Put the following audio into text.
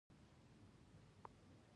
د افغانستان بیروج ډبره په نورستان کې ده